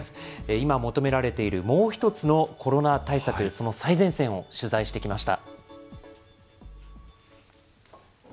今求められているもう一つのコロナ対策、その最前線を取材してきました。